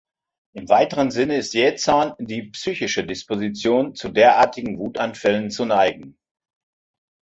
Im weiteren Sinne ist Jähzorn die psychische Disposition, zu derartigen Wutanfällen zu neigen.